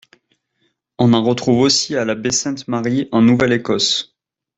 On en retrouve aussi à la Baie-Sainte-Marie, en Nouvelle-Écosse.